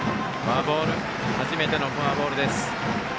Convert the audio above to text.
初めてのフォアボールです。